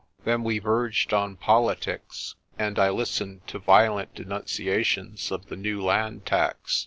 Then we verged on politics, and I listened to violent denunciations of the new land tax.